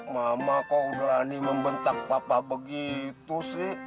mama kau berani membentak papa begitu sih